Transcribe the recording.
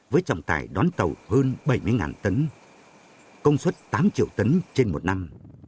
với trọng tải đón tàu hơn bảy mươi tấn công suất tám triệu tấn trên một năm